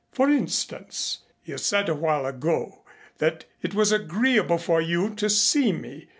For instance, you said a while ago that it was agreeable for you to see me.